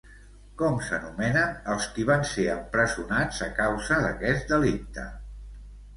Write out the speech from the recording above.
Com s'anomenen els qui van ser empresonats a causa d'aquest delicte?